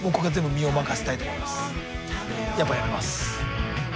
やっぱやめます。